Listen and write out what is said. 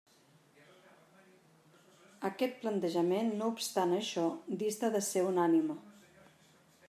Aquest plantejament no obstant això, dista de ser unànime.